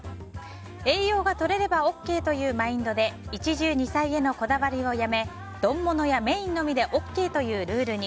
栄養がとれればＯＫというマインドで一汁二菜へのこだわりをやめ丼ものやメインのみでＯＫというルールに。